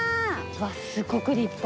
わっすごく立派！